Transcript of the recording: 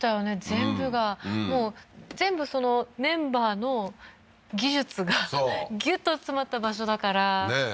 全部がもう全部メンバーの技術がギュッと詰まった場所だからねえ